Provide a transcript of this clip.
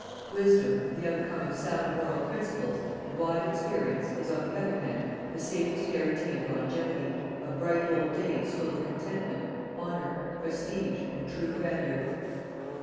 Wisdom, the outcome of sound moral principles, and wide experience, is, on the other hand, the safest guarantee of longevity, of bright old days full of contentment, honour, prestige and true grandeur.